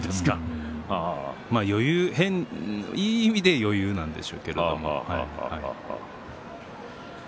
いい意味で余裕なんですけども。